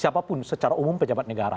siapapun secara umum pejabat negara